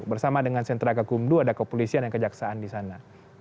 bersama dengan sentra keakumdu ada kepolisian dan kejaksaan disana